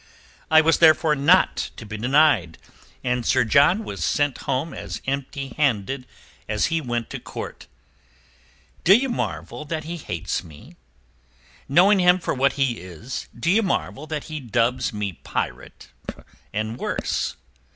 I was therefore not to be denied, and Sir John was sent home as empty handed as he went to Court. D'ye marvel that he hates me? Knowing him for what he is, d'ye marvel that he dubs me pirate and worse?